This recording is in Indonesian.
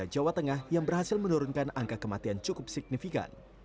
jawa tengah yang berhasil menurunkan angka kematian cukup signifikan